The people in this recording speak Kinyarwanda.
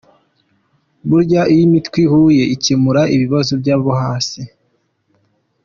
Burya iyo imitwe ihuye ikemura ibibazo byabo hasi.